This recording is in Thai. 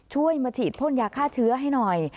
ช่วยมาฉีดพ่นยาฆ่าเชื้อให้หน่อย